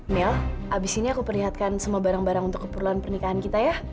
mil abis ini aku perlihatkan semua barang barang untuk keperluan pernikahan kita ya